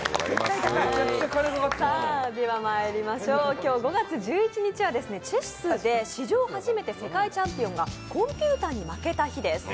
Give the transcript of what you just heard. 今日５月１１日はチェスで史上初めて世界チャンピオンがコンピューターに負けた日です。